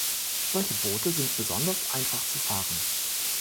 Solche Boote sind besonders einfach zu fahren.